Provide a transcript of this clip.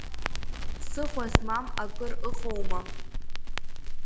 Ԥсыхәа змам акыр ыҟоума…